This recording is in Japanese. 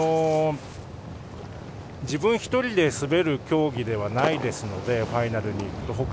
自分１人で滑る競技ではないですのでファイナルに行くと。